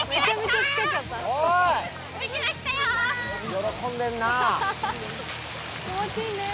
喜んでんな。